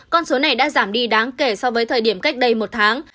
con số này đã giảm đi đáng kể so với thời điểm cách đây một tháng